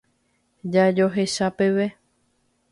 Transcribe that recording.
Jajohecha peve.